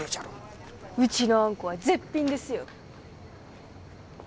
うちのあんこは絶品ですよ。